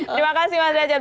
terima kasih mas dredjat